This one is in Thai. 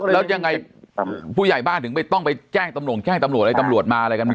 แล้วยังไงผู้ใหญ่บ้านถึงไม่ต้องไปแจ้งตำรวจ